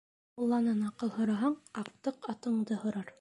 Мулланан аҡыл һораһаң, аҡтыҡ атыңды һорар.